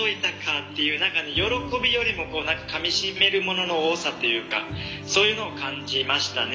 何か喜びよりもかみしめるものの多さというかそういうのを感じましたね。